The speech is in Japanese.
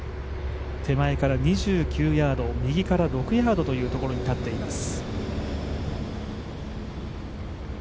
手前から２９ヤード右から６ヤードというところに立っています。